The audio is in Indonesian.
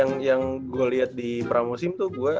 gua liat di pramosim tuh gua